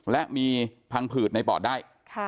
และมีพังผืดในปอดได้